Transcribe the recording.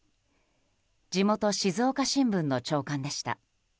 地元・静岡新聞の朝刊でした。